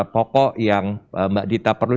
pokok yang mbak dita perlu